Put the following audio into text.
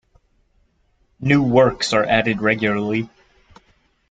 New works are added regularly.